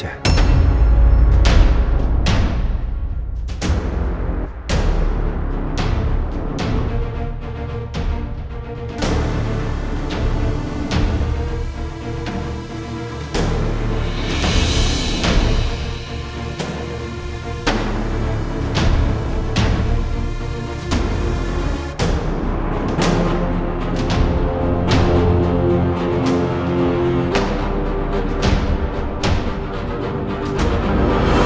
aku mau ke rumah